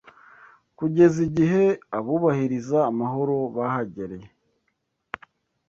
kugez'igihe abubahiriza amahoro bahagereye